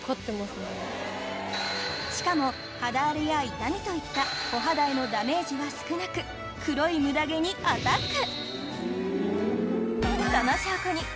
しかも肌荒れや痛みといったお肌へのダメージは少なく黒いムダ毛にアタック！